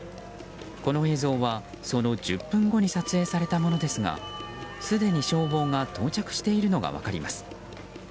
この映像はその１０分後に撮影されたものですがすでに消防が到着しているのが分かります。